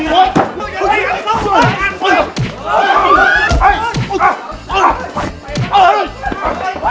ว้าว